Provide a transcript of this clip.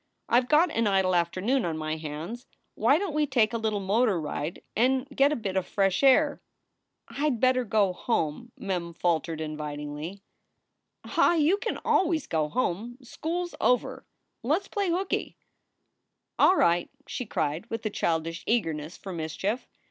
I ve got an idle afternoon on my hands. Why don t we take a little motor ride and get a bit of fresh air?" "I d better go home," Mem faltered, invitingly. SOULS FOR SALE 277 "Ah, you can always go home. School s over. Let s play hooky." "All right!" she cried, with a childish eagerness for mis chief.